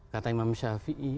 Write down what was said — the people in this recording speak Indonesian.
kata imam syafiei